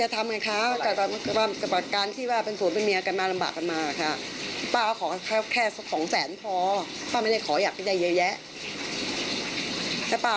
อยากให้เขาช่วยเหลือเงิน๒แสนให้กับเรา